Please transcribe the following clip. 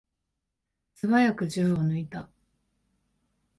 すばやく銃を抜いた。